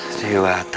tidak semudah itu